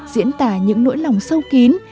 diễn tả những nỗi lòng sâu kín